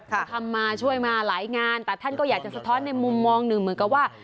ก็ทำมาช่วยมาหลายงานแต่ท่านก็อยากจะสะท้อนในมุมมองหนึ่งเหมือนกับว่า